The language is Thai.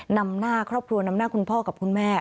นำหน้าครอบครัวนำหน้าคุณพ่อกับคุณแม่